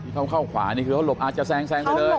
เขาเข้าขวานี่คือเขาหลบอาจจะแซงไปเลย